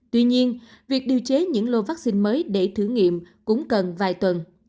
tuy nhiên việc điều chế những lô vaccine mới để thử nghiệm cũng cần vài tuần